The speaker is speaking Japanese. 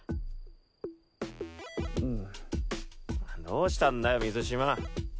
どうしたんだよ水嶋。